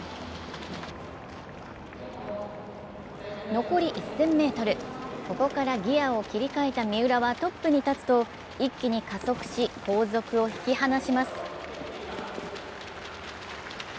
残り１０００ｍ、ここからギヤを切り替えた三浦はトップに立つと一気に加速し、後続を引き離します